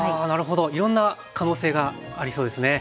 いろんな可能性がありそうですね。